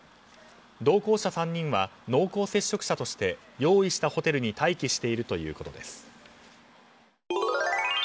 同行者３人は濃厚接触者として用意したホテルに待機しているということです。